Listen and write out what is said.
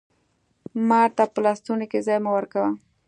مار ته په لستوڼي کي ځای مه ورکوه!